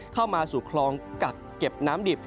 เข้ามาสู่คลองกักเก็บน้ำดิบ